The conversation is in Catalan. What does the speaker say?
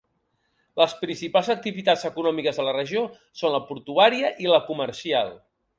Les principals activitats econòmiques de la regió són la portuària i la comercial.